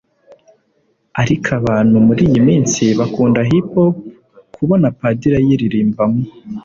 ariko abantu muri iyi minsi bakunda Hip Hop kubona Padiri ayiririmbamo